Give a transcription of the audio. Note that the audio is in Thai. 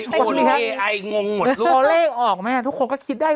ขอเลขออกนะคุณเรือน่าคิดด้วย